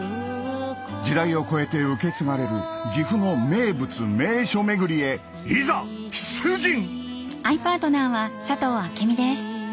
時代を超えて受け継がれる岐阜の名物名所巡りへいざ出陣！